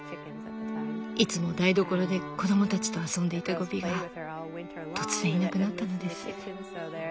いつも台所で子供たちと遊んでいたゴビが突然いなくなったのです。